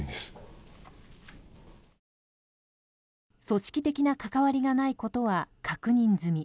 組織的な関わりがないことは確認済み。